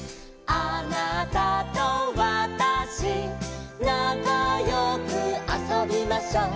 「あなたとわたしなかよくあそびましょ」